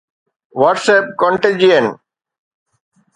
WhatsApp Contagion